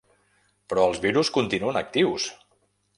Però els virus continuen actius!